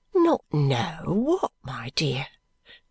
"Not know what, my dear?"